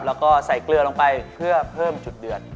แล้วก็ใส่เกลือลงไปเพื่อเพิ่มจุดเดือด